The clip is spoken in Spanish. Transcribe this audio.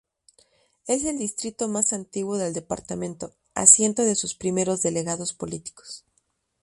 Es el distrito más antiguo del departamento, asiento de sus primeros delegados políticos.